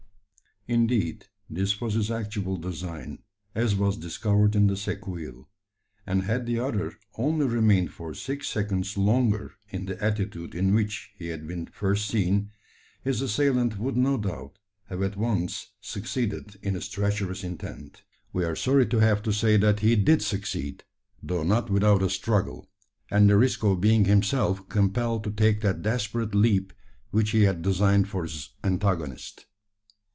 Indeed, this was his actual design, as was discovered in the sequel; and had the other only remained for six seconds longer in the attitude in which he had been first seen, his assailant would no doubt have at once succeeded in his treacherous intent. We are sorry to have to say that he did succeed though not without a struggle, and the risk of being himself compelled to take that desperate leap which he had designed for his antagonist.